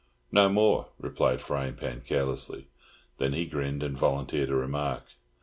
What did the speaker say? "No more," replied Frying Pan, carelessly. Then he grinned, and volunteered a remark.